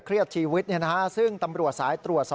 เครียดชีวิตนะครับซึ่งตำรวจสายตรวจ